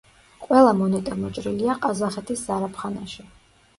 ყველა მონეტა მოჭრილია ყაზახეთის ზარაფხანაში.